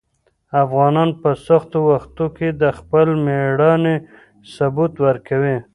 افغانان په سختو وختونو کې د خپل مېړانې ثبوت ورکوي.